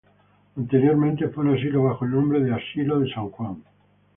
Anteriormente fue un asilo bajo el nombre de "Asilo de San Juan".